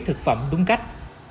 thực phẩm đúng cách